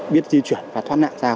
biết di chuyển và thoát nạn